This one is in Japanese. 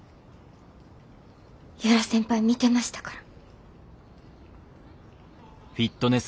由良先輩見てましたから。